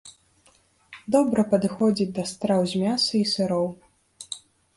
Добра падыходзіць да страў з мяса і сыроў.